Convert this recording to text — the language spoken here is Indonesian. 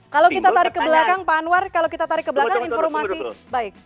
kalau kita tarik ke belakang pak anwar kalau kita tarik ke belakang informasi baik